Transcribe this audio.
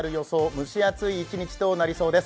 蒸し暑い一日となりそうです